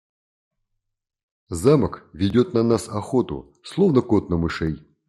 Замок ведет на нас охоту, словно кот на мышей.